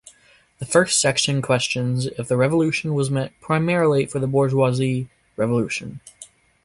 The first section questions if the revolution was meant primarily for the bourgeois revolution.